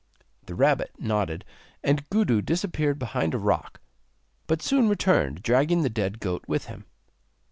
The rabbit nodded, and Gudu disappeared behind a rock, but soon returned dragging the dead goat with him.